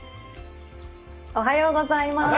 おはようございます。